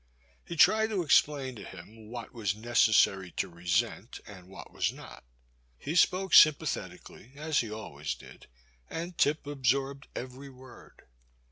He tried to explain to him what was necessary to resent, and what was not ; he spoke sympathetically as he always did, and Tip ab sorbed every word.